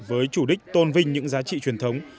với chủ đích tôn vinh những giá trị truyền thống